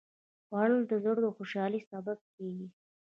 خوړل د زړه خوشالي سبب کېږي